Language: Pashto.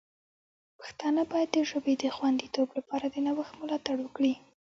پښتانه باید د ژبې د خوندیتوب لپاره د نوښت ملاتړ وکړي.